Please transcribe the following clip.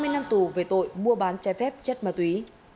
hai mươi năm tù về tội mua bán trái phép chất ma túy